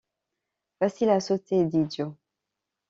Facile à sauter, dit Joe.